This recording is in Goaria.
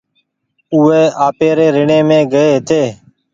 او وي آپيري ريڻي مينٚ گئي هيتي